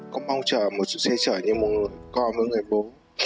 con mong chờ một sự xe chở như một con với người bố